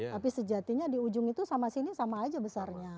tapi sejatinya di ujung itu sama sini sama aja besarnya